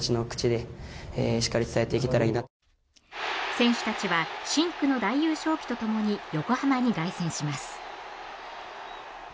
選手たちは深紅の大優勝旗とともに横浜に凱旋します。